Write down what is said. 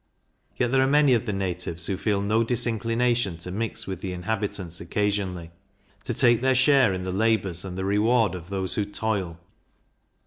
Yet there are many of the natives who feel no disinclination to mix with the inhabitants occasionally to take their share in the labours and the reward of those who toil.